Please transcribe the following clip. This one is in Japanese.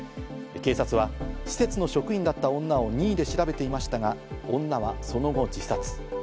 警察は施設の職員だった女を任意で調べていましたが、女はその後、自殺。